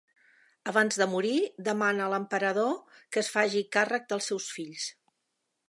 Abans de morir, demana a l'emperador que es faci càrrec dels seus fills.